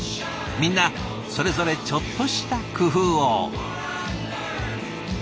みんなそれぞれちょっとした工夫を。